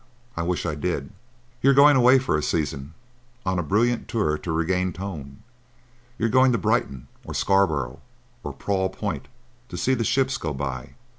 I wish I did." "You're going away for a season on a brilliant tour to regain tone. You're going to Brighton, or Scarborough, or Prawle Point, to see the ships go by.